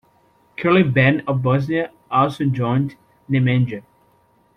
Kulin Ban of Bosnia also joined Nemanja.